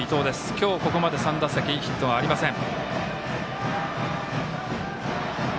今日ここまで３打席ヒットがありません。